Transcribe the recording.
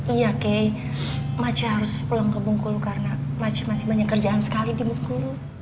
iya kay makcik harus pulang ke bengkulu karena makcik masih banyak kerjaan sekali di bengkulu